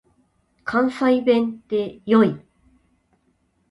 関西弁って良い。